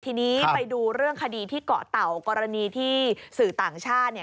ทีนี้ไปดูเรื่องคดีที่เกาะเต่ากรณีที่สื่อต่างชาติ